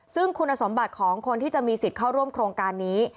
ซึ่งคุณสมบัติของคนที่จะมีสิทธิ์เข้าร่วมโครงการนี้